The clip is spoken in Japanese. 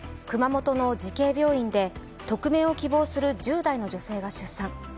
熊本の慈恵病院で匿名を希望する１０代の女性が出産。